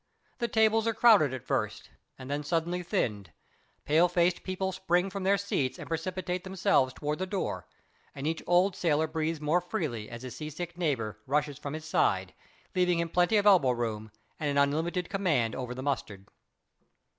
The tables are crowded at first, and then suddenly thinned. Pale faced people spring from their seats and precipitate themselves towards the door, and each old sailor breathes more freely as his seasick neighbour rushes from his side, leaving him plenty of elbow room and an unlimited command over the mustard.